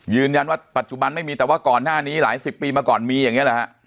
ยืนยันว่าปัจจุบันไม่มีแต่ว่าก่อนหน้านี้หลายสิบปีมาก่อนมีอย่างนี้แหละฮะ